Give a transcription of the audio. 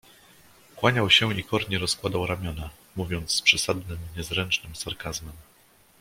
"Kłaniał się i kornie rozkładał ramiona, mówiąc z przesadnym, niezręcznym sarkazmem."